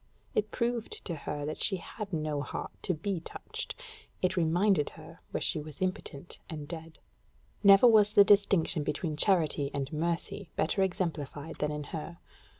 It proved to her that she had no heart to be touched: it reminded her where she was impotent and dead. Never was the distinction between charity and mercy better exemplified than in her.